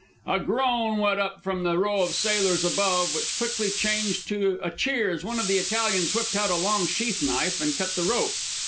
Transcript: A groan went up from the row of sailors above, which quickly changed to a cheer as one of the Italians whipped out a long sheath knife and cut the rope.